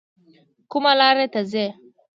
کومه لار ته ځئ؟